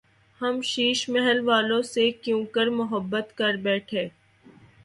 ہم شیش محل والوں سے کیونکر محبت کر بیتھے